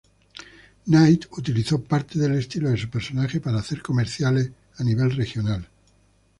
Knight utilizó parte del estilo de su personaje para hacer comerciales a nivel regional.